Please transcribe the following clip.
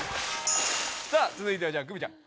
さあ続いてはじゃあ久美ちゃん。